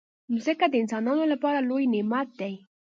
مځکه د انسانانو لپاره لوی نعمت دی.